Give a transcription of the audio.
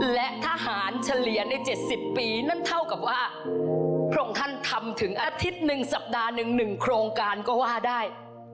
และทหารเฉลี่ยใน๗๐ปีนั้นเท่ากับว่าพรงฮันทำถึงอาทิตย์๑สัปดาห์๑โครงการก็ว่าได้